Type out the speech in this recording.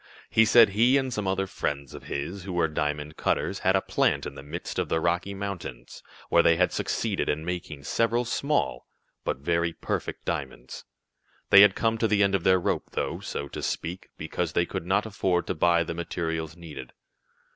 He said he and some other friends of his, who were diamond cutters, had a plant in the midst of the Rocky Mountains, where they had succeeded in making several small, but very perfect diamonds. They had come to the end of their rope, though, so to speak, because they could not afford to buy the materials needed.